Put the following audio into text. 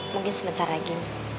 mungkin sebentar lagi